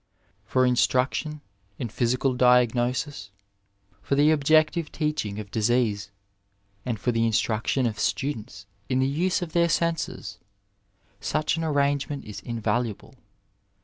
For instruction in physical diagnosis, for the objective teach ing of disease, and for the instruction of students in the use of their senses, such an arrangement is invaluable.